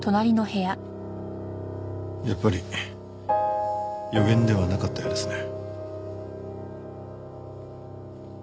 やっぱり予言ではなかったようですね。